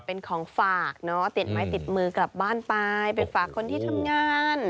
เป็นของฝากเนอะติดไม้ติดมือกลับบ้านไปไปฝากคนที่ทำงาน